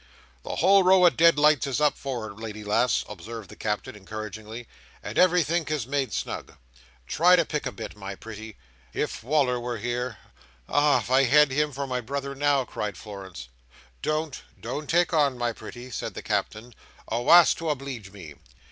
"The whole row o' dead lights is up, for'ard, lady lass," observed the Captain, encouragingly, "and everythink is made snug. Try and pick a bit, my pretty. If Wal"r was here—" "Ah! If I had him for my brother now!" cried Florence. "Don't! don't take on, my pretty!" said the Captain, "awast, to obleege me!